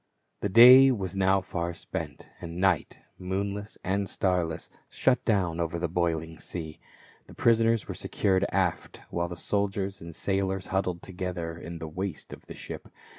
The day was now far spent, and night, moonless and starless, shut down over the boiling sea. The prisoners were secured aft, while the soldiers and sailors huddled together in the waist of the ship.